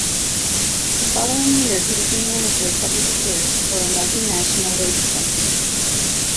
The following year he became manager of public affairs for a multinational waste company.